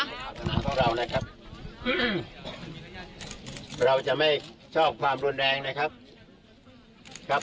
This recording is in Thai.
ฟังเสียงของเรานะครับเราจะไม่ชอบความรุนแรงนะครับ